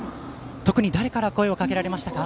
特に誰から声をかけられましたか。